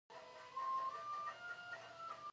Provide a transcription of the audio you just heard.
هغوی باید کوم سیاسي اړخ ته میلان ونه لري.